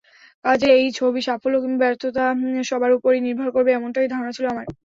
কাজেই ছবির সাফল্য কিংবা ব্যর্থতা সবার ওপরই নির্ভর করবে—এমনটাই ধারণা ছিল আমার।